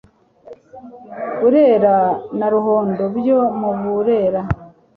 burera na ruhondo byo mu burera